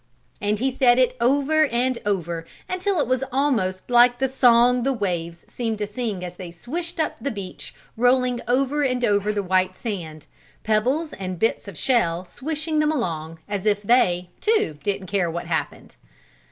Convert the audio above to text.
And he said it over and over, until it was almost like the song the waves seemed to sing as they swished up the beach, rolling over and over the white sand, pebbles and bits of shell, swishing them along as if they, too, didn't care what happened.